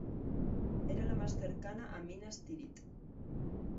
Era la más cercana a Minas Tirith.